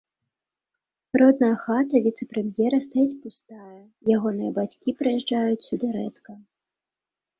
Родная хата віцэ-прэм'ера стаіць пустая, ягоныя бацькі прыязджаюць сюды рэдка.